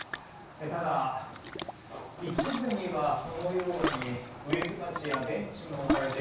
ただ、一部にはこのように植木鉢やベンチも置かれて